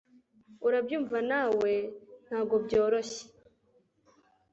urabyumva nawe ntagobyoroshye